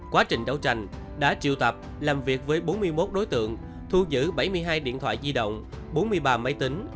quá trình đấu tranh đã triệu tập làm việc với bốn mươi một đối tượng thu giữ bảy mươi hai điện thoại di động bốn mươi ba máy tính